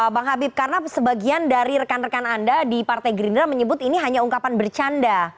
bang habib karena sebagian dari rekan rekan anda di partai gerindra menyebut ini hanya ungkapan bercanda